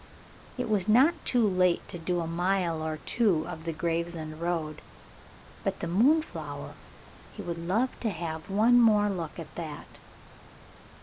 It was not too late to do a mile or two of the Gravesend road. But the moonflower he would like to have one more look at that.